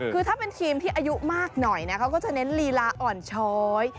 คือถ้าเป็นทีมที่อายุมากหน่อยนะเขาก็จะเน้นลีลาอ่อนช้อย